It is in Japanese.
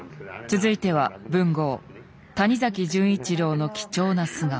続いては文豪谷崎潤一郎の貴重な素顔。